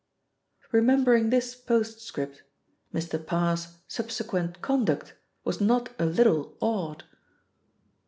Remembering this postscript, Mr. Parr's subsequent conduct was not a little odd.